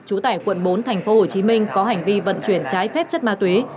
chủ tải quận bốn tp hcm có hành vi vận chuyển trái phép chất ma túy